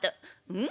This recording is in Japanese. うん？